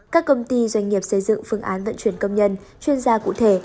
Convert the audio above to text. các công ty doanh nghiệp xây dựng phương án vận chuyển công nhân chuyên gia cụ thể